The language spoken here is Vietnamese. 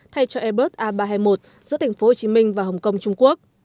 thay cho airbus a ba trăm hai mươi một giữa thành phố hồ chí minh và hồng kông trung quốc